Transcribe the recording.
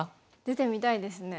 出てみたいですね。